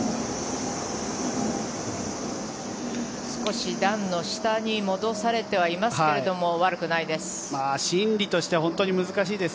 少し段の下に戻されてはいますけど悪くないです。